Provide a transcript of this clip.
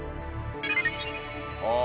ああ！